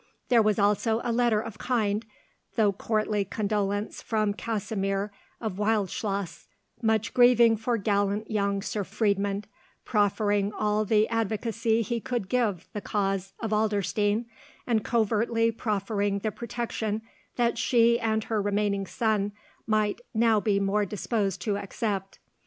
There was also a letter of kind though courtly condolence from Kasimir of Wildschloss, much grieving for gallant young Sir Friedmund, proffering all the advocacy he could give the cause of Adlerstein, and covertly proffering the protection that she and her remaining son might now be more disposed to accept.